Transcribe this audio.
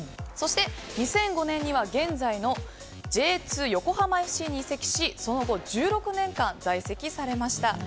そして２００５年には現在のＪ２横浜ＦＣに移籍しその後、１６年間在籍されました。